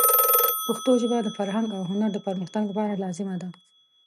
پښتو ژبه د فرهنګ او هنر د پرمختګ لپاره لازمه ده.